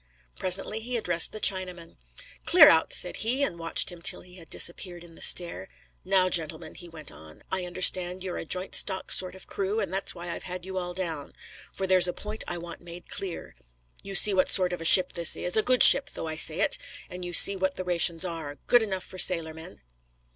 Presently he addressed the Chinaman. "Clear out!" said he, and watched him till he had disappeared in the stair. "Now, gentlemen," he went on, "I understand you're a joint stock sort of crew, and that's why I've had you all down; for there's a point I want made clear. You see what sort of a ship this is a good ship, though I say it, and you see what the rations are good enough for sailor men."